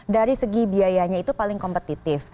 dari segi biayanya itu paling kompetitif